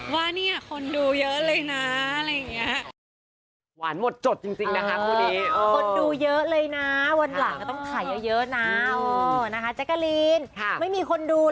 ว่าเนี่ยคนดูเยอะเลยนะอะไรอย่างนี้